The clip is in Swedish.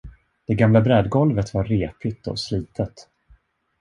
Det gamla brädgolvet var repigt och slitet.